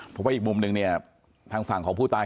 เพราะว่าอีกมุมหนึ่งเนี่ยทางฝั่งของผู้ตาย